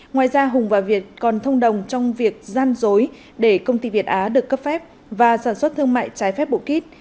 ngoài ra hùng và việt còn thông đồng trong việc gian dối để công ty việt á được cấp phép và sản xuất thương mại trái phép bộ kít